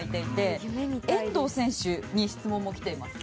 遠藤選手に質問も来ています。